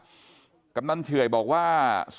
ก็คุณตามมาอยู่กรงกีฬาดครับ